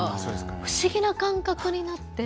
不思議な感覚になって。